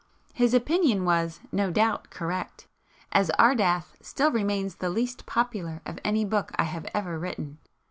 His opinion was, no doubt, correct, as "Ardath" still remains the least 'popular' of any book I have ever written.